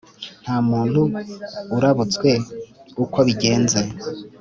ntamuntu urabutswe uko bigenze